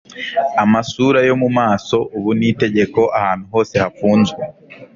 amasura yo mumaso ubu ni itegeko ahantu hose hafunzwe